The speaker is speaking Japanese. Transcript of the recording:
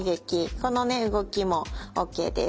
このね動きもＯＫです。